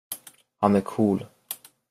Han är cool.